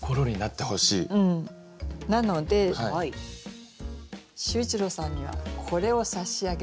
なので秀一郎さんにはこれを差し上げますので。